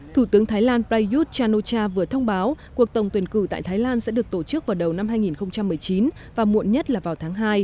thủ tướng thái lan prayuth chan o cha vừa thông báo cuộc tổng tuyển cử tại thái lan sẽ được tổ chức vào đầu năm hai nghìn một mươi chín và muộn nhất là vào tháng hai